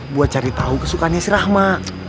buat cari tahu kesukaannya si rahma